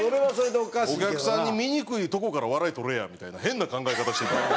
お客さんに見にくいとこから笑いとれやみたいな変な考え方してた。